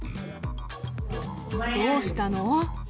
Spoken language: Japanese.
どうしたの？